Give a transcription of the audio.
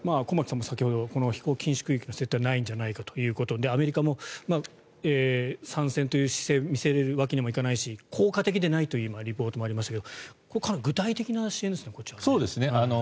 駒木さんも先ほど飛行禁止空域の設定はないんじゃないかということでアメリカも参戦という姿勢を見せるわけにもいかないし効果的でないというリポートもありましたがこれはかなり具体的な支援ですね。